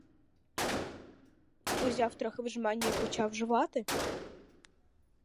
Узяв трохи в жменю і почав жувати?